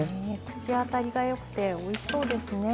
口当たりがよくておいしそうですね。